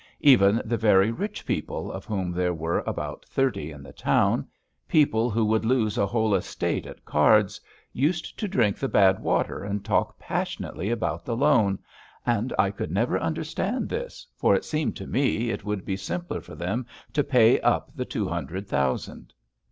Even the very rich people, of whom there were about thirty in the town, people who would lose a whole estate at cards, used to drink the bad water and talk passionately about the loan and I could never understand this, for it seemed to me it would be simpler for them to pay up the two hundred thousand.